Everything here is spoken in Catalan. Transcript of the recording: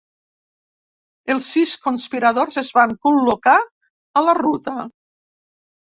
Els sis conspiradors es van col·locar a la ruta.